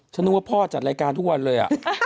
นึกว่าพ่อจัดรายการทุกวันเลย